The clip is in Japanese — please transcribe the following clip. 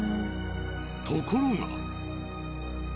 ところが。